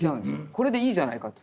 これでいいじゃないかと。